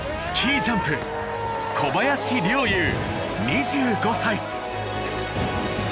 スキージャンプ小林陵侑２５歳。